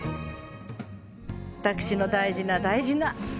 私の大事な大事な。